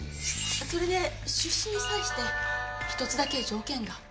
それで出資に際して一つだけ条件が